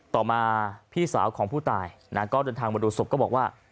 ต่อมาพี่สาวของผู้ตายนะก็เดินทางมาดูศพก็บอกว่า